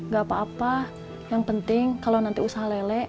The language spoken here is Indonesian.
gak apa apa yang penting kalau nanti usaha lele